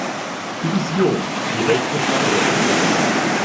Division die rechte Flanke.